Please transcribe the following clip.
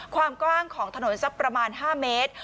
ความกว้างของถนนสักประมาณ๕เมตร